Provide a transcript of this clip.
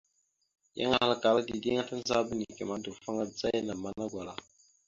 Yan ahalkala dideŋ a, tandzaba neke ma, dawəfaŋa adzaya naləmana gwala.